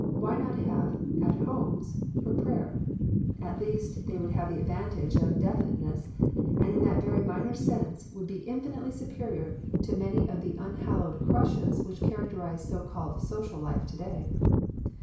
Why not have '' At Homes " for prayer ? At least, they would have the advantage of definiteness, and in that very minor sense would be infinitely THE PEAOTICE OF PEAYEE 117 superior to many of the unhallowed crushes which characterize so called social life to day.